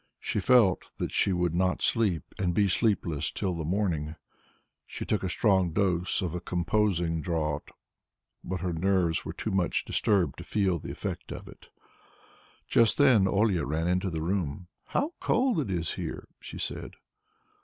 She felt that she would not sleep and be sleepless till the morning. She took a strong dose of a composing draught, but her nerves were too much disturbed to feel the effect of it. Just then Olia ran into her room. "How cold it is here," she said.